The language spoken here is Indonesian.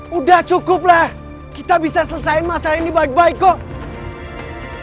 sudah cukup lah kita bisa selesaikan masalah ini baik baik kok